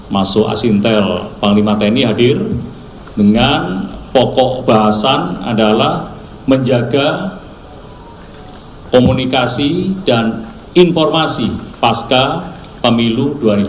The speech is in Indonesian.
masuk asintel panglima tni hadir dengan pokok bahasan adalah menjaga komunikasi dan informasi pasca pemilu dua ribu dua puluh